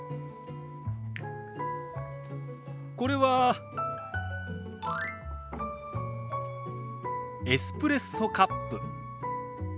これはエスプレッソカップ。